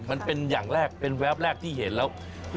มันเป็นอย่างแรกเป็นแวบแรกที่เห็นแล้ว